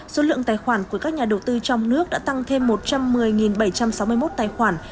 số lượng tài khoản của các nhà đầu tư trong nước đã tăng thêm một trăm một mươi bảy trăm sáu mươi một tài khoản